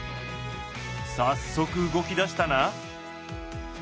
早速動きだしたな。